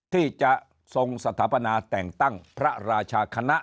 ที่จะทรงสถาปนาแต่งตั้งพระราชาคณะ